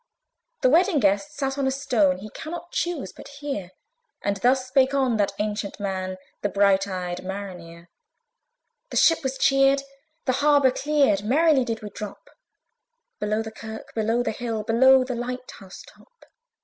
The Wedding Guest sat on a stone: He cannot chuse but hear; And thus spake on that ancient man, The bright eyed Mariner. The ship was cheered, the harbour cleared, Merrily did we drop Below the kirk, below the hill, Below the light house top.